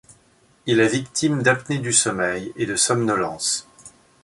Il est victime d'apnée du sommeil et de somnolence.